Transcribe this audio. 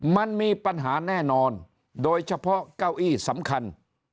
มันมีปัญหาแน่นอนโดยเฉพาะเก้าอี้สำคัญ